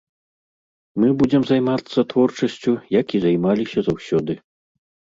Мы будзем займацца творчасцю, як і займаліся заўсёды.